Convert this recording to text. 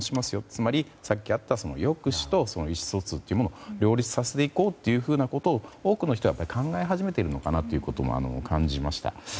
つまり、さっきあった抑止と意思疎通というものを両立させていこうということを多くの人が考え始めているのかなということも感じました。